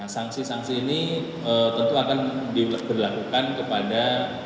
sanksi sanksi ini tentu akan diberlakukan kepada